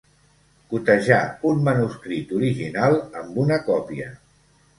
Cotejar un manuscrit original amb una còpia.